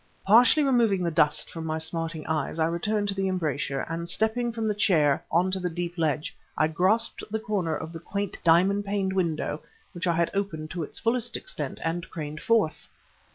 Partially removing the dust from my smarting eyes, I returned to the embrasure, and stepping from the chair on to the deep ledge, I grasped the corner of the quaint, diamond paned window, which I had opened to its fullest extent, and craned forth.